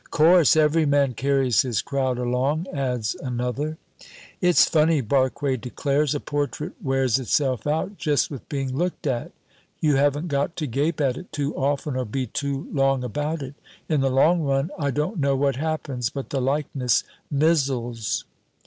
"Course! Every man carries his crowd along," adds another. "It's funny," Barque declares, "a portrait wears itself out just with being looked at. You haven't got to gape at it too often, or be too long about it; in the long run, I don't know what happens, but the likeness mizzles."